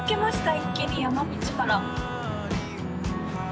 一気に山道から。